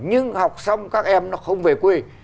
nhưng học xong các em nó không về quê